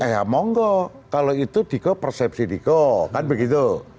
ya monggo kalau itu diko persepsi diko kan begitu